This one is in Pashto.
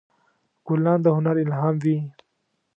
ګلان د هنر الهام وي.